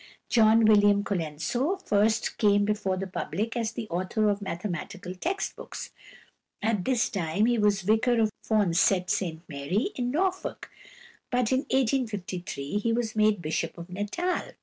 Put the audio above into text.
=John William Colenso (1814 1883)= first came before the public as the author of mathematical text books. At this time he was vicar of Forncett St Mary, in Norfolk, but in 1853 he was made Bishop of Natal.